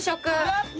やった。